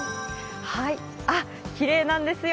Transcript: きれいなんですよ。